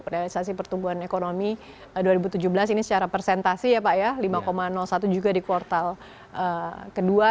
realisasi pertumbuhan ekonomi dua ribu tujuh belas ini secara persentasi ya pak ya lima satu juga di kuartal kedua